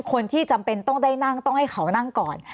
คนที่จำเป็นต้องได้นั่งต้องให้เขานั่งก่อน